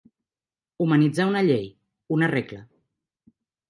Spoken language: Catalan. Humanitzar una llei, una regla.